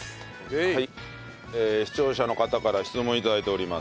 視聴者の方から質問頂いております。